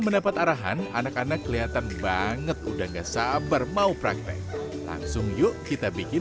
mendapat arahan anak anak kelihatan banget udah nggak sabar mau praktek langsung yuk kita bikin